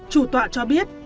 chủ tọa cho biết